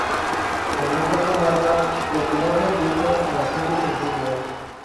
En esta comarca, lo que más le gusta a la gente es el fútbol.